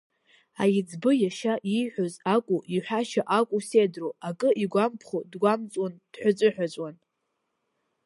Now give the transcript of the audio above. Аиҵбы, иашьа ииҳәоз акәу, иҳәашьа акәу сеидру, акы игәамԥхо дгәамҵуан, дҳәыҵәыҳәыҵәуан.